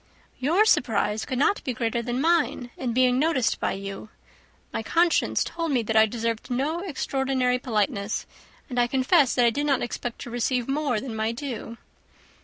"Your surprise could not be greater than mine in being noticed by you. My conscience told me that I deserved no extraordinary politeness, and I confess that I did not expect to receive more than my due."